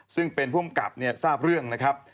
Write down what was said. ซึ่งเป็นผู้อำกับทราบเรื่องนะครับ